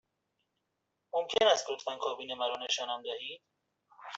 ممکن است لطفاً کابین مرا نشانم دهید؟